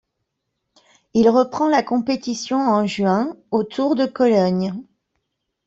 Il reprend la compétition en juin, au Tour de Cologne.